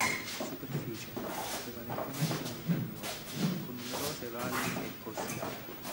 La superficie è prevalentemente montagnosa con numerose valli e corsi d'acqua.